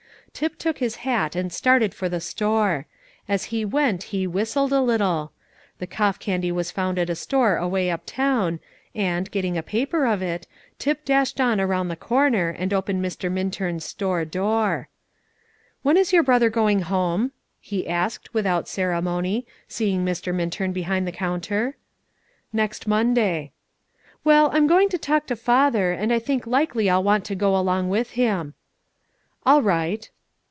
Tip took his hat and started for the store; as he went he whistled a little. The cough candy was found at a store away up town, and, getting a paper of it, Tip dashed on around the corner and opened Mr. Minturn's store door. "When is your brother going home?" he asked, without ceremony, seeing Mr. Minturn behind the counter. "Next Monday." "Well, I'm going to talk to father, and I think likely I'll want to go along with him." "All right."